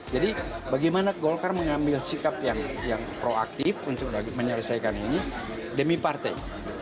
jadi bagaimana golkar mengambil sikap yang proaktif untuk menyelesaikan ini demi partai